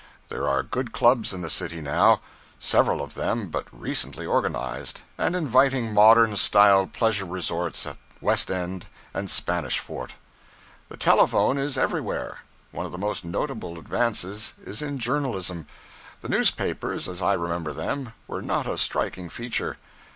There are good clubs in the city now several of them but recently organized and inviting modern style pleasure resorts at West End and Spanish Fort. The telephone is everywhere. One of the most notable advances is in journalism. The newspapers, as I remember them, were not a striking feature.